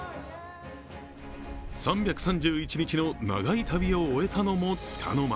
３３１日の長い旅を終えたのもつかの間。